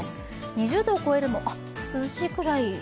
２０度を超えるも涼しいくらい？